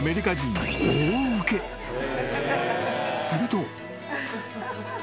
［すると］